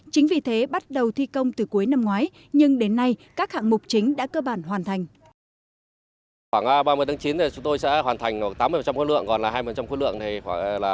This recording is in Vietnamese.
chính vì thế bắt đầu thi công từ cuối năm ngoái nhưng đến nay các hạng mục chính đã cơ bản hoàn thành